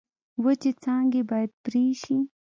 وچې څانګې باید پرې شي.